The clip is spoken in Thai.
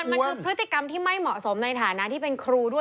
มันคือพฤติกรรมที่ไม่เหมาะสมในฐานะที่เป็นครูด้วย